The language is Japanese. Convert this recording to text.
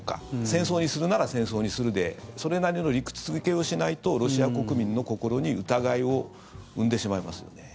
戦争にするなら戦争にするでそれなりの理屈付けをしないとロシア国民の心に疑いを生んでしまいますよね。